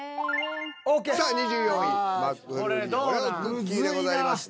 さあ２４位マックフルーリーオレオクッキーでございました。